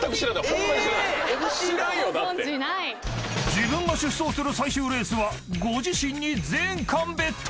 ［自分が出走する最終レースはご自身に全缶ＢＥＴ］